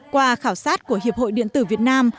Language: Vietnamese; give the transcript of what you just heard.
qua khảo sát của hiệp hội điện tử việt nam